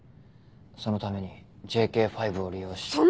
そのためにＪＫ５を利用して。